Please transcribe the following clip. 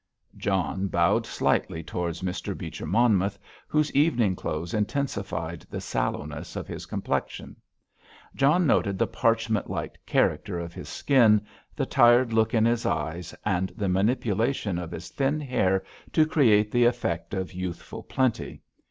John bowed slightly towards Mr. Beecher Monmouth, whose evening clothes intensified the sallowness of his complexion. John noted the parchment like character of his skin, the tired look in his eyes, and the manipulation of his thin hair to create the effect of youthful plenty.